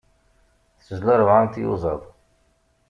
Tezla ṛebɛa n tyuẓaḍ.